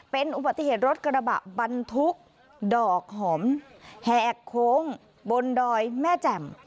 เป็นอุบัติเหตุรถกระบะบรรทุกดอกหอมแหกโค้งบนดอยแม่แจ่ม